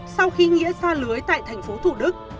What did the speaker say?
sau khi nghĩa xa lưới tại thành phố thủ đức